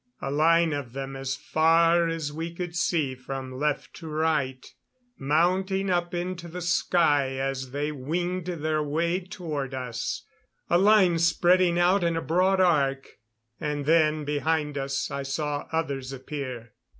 A line of them as far as we could see from left to right, mounting up into the sky as they winged their way toward us a line spreading out in a broad arc. And then, behind us, I saw others appear.